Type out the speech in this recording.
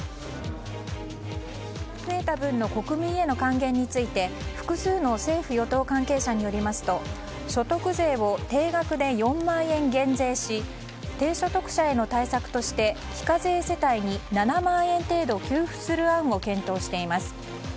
増えた分の国民への還元について所得税を定額で４万円減税し低所得者への対策として非課税世帯に７万円程度給付する案を検討しています。